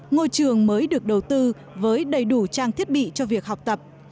ngôi trường mới được đầu tư với đầy đủ trang thiết bị cho việc học tập